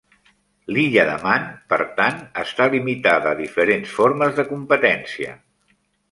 L'illa de Man, per tant, està limitada a diferents formes de competència.